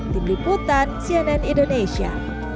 tim diputan cnn indonesia